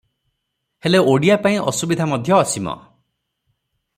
ହେଲେ ଓଡ଼ିଆ ପାଇଁ ଅସୁବିଧା ମଧ୍ୟ ଅସୀମ ।